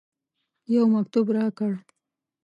یو مکتوب راکړ.